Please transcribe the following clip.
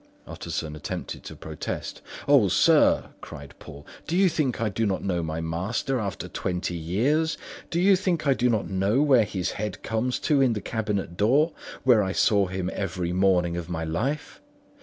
Utterson attempted to protest. "O, sir," cried Poole, "do you think I do not know my master after twenty years? Do you think I do not know where his head comes to in the cabinet door, where I saw him every morning of my life?